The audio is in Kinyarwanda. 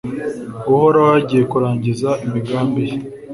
Uhoraho agiye kurangiza imigambi ye